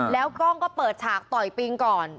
แล้วกล้องก็เปิดฉากต่อยปิงก่อน